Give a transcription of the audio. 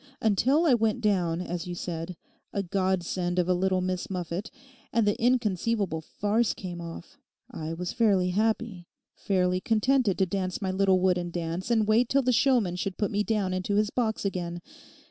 Until I went down, as you said, "a godsend of a little Miss Muffet," and the inconceivable farce came off, I was fairly happy, fairly contented to dance my little wooden dance and wait till the showman should put me down into his box again.